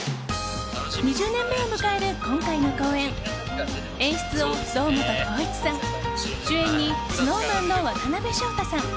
２０年目を迎える今回の公演演出を堂本光一さん主演にＳｎｏｗＭａｎの渡辺翔太さん